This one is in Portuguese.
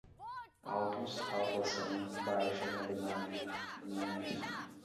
autos, autuação, baixa, inalienável, dominiais